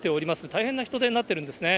大変な人出になってるんですね。